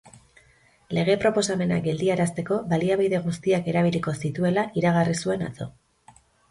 Lege proposamena geldiarazteko baliabide guztiak erabiliko zituela iragarri zuen atzo.